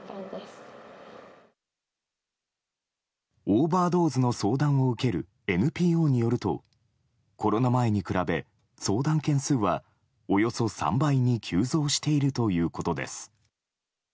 オーバードーズの相談を受けるＮＰＯによるとコロナ前に比べ、相談件数はおよそ３倍に急増しているということです。